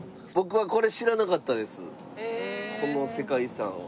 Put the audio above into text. この世界遺産は。